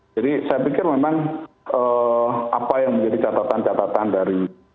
jadi saya pikir memang apa yang menjadi catatan catatan dari